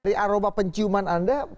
dari aroma penciuman anda